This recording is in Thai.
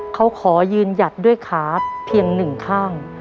เขาขอยืนหยัดด้วยขาเพียงหนึ่งข้าง